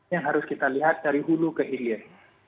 yang harus kita lihat dari hulu ke hilir